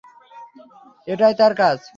এটা তার কাজ।